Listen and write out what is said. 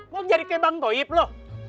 lo jadi kebangkoib lo